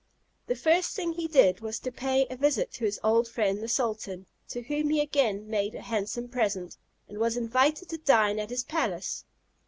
The first thing he did was to pay a visit to his old friend the sultan, to whom he again made a handsome present, and was invited to dine at his palace.